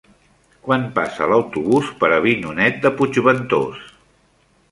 Quan passa l'autobús per Avinyonet de Puigventós?